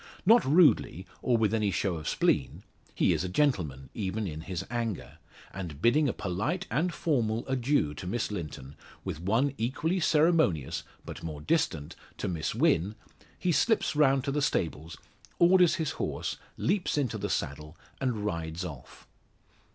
Not rudely, or with any show of spleen. He is a gentleman, even in his anger; and bidding a polite, and formal, adieu to Miss Linton, with one equally ceremonious, but more distant, to Miss Wynn, he slips round to the stables, orders his horse, leaps into the saddle, and rides off.